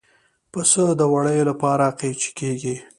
پسه د وړیو لپاره قیچي کېږي.